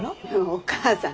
お義母さん